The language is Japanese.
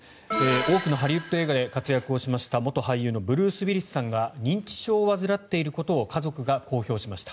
多くのハリウッド映画で活躍しました元俳優のブルース・ウィリスさんが認知症を患っていることを家族が公表しました。